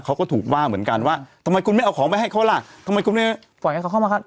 เขาก็ถูกว่าเหมือนกันว่าทำไมคุณไม่เอาของไปให้เขาล่ะทำไมคุณไม่ปล่อยให้เขาเข้ามาครับ